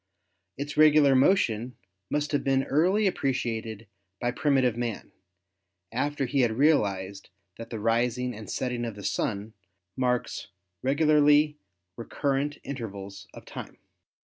Its regular motion must have been early appreciated by primitive man, after he had realized that the rising and setting of the Sun marks regularly recurrent intervals of time.